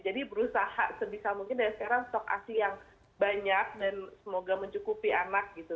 jadi berusaha sebisa mungkin dari sekarang stok aksi yang banyak dan semoga mencukupi anak gitu